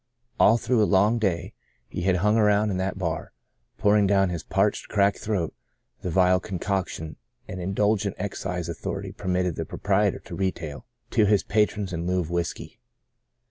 All through a long day he had hung around in that bar, pouring down his parched, cracked throat the vile concoction an indulgent ex cise authority permitted the proprietor to retail to his patrons in lieu of whiskey.